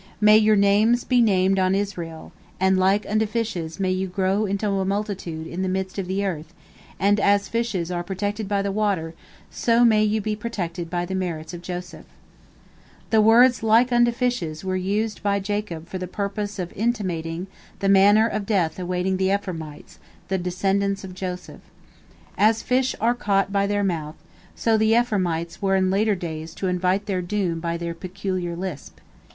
May your names be named on Israel, and like unto fishes may you grow into a multitude in the midst of the earth, and as fishes are protected by the water, so may you be protected by the merits of Joseph." The words "like unto fishes" were used by Jacob for the purpose of intimating the manner of death awaiting the Ephraimites, the descendants of Joseph. As fish are caught by their mouth, so the Ephraimites were in later days to invite their doom by their peculiar lisp.